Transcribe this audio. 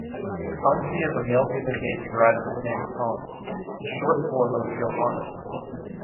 Hansi is a male given name derived from the name Hans, the short form of Johannes.